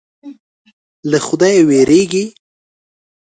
له خدایه وېرېږي.